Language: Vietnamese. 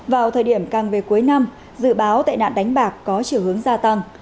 vào thời điểm càng về cuối năm dự báo tệ nạn đánh bạc có chiều hướng gia tăng